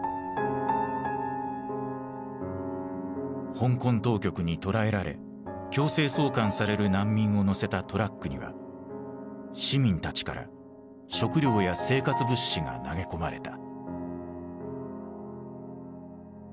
香港当局に捕らえられ強制送還される難民を乗せたトラックには市民たちから食糧や生活物資が投げ込まれた。